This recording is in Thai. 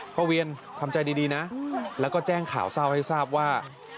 เวียนทำใจดีนะแล้วก็แจ้งข่าวเศร้าให้ทราบว่า